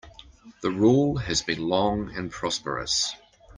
The rule has been long and prosperous.